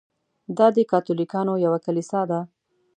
دا د کاتولیکانو یوه کلیسا ده.